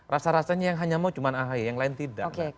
rasa rasanya yang hanya mau cuma ahy yang lain tidak